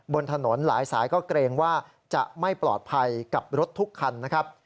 บนถนนหลายสายก็เกรงว่าจะไม่ปลอดภัยกับรถทุกคันนะครับ